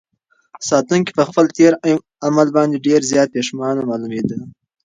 ساتونکي په خپل تېر عمل باندې ډېر زیات پښېمانه معلومېده.